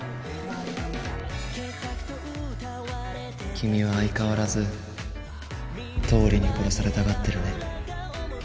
君は相変わらず倒理に殺されたがってるね。